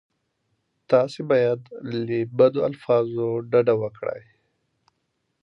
تاسې باید له بدو الفاظو ډډه وکړئ.